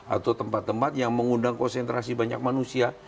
atau tempat tempat yang mengundang konsentrasi banyak manusia